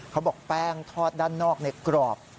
เขาบอกแป้งทอดด้านนอกในกรอบ